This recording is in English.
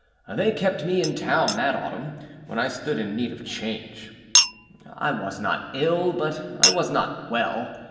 They kept me in town that autumn, when I stood in need of change. I was not ill, but I was not well.